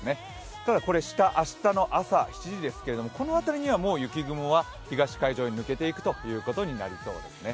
ただ、下の明日の朝７時ですけれどもこの辺りはもう雪雲は東海上に抜けていくことになりますね。